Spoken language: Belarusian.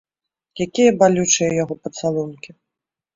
Якія балючыя яго пацалункі!